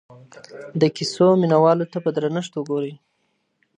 د کیسو مینه والو ته په درنښت وګورئ.